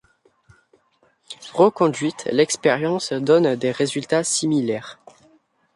Reconduite, l'expérience donne des résultats similaires.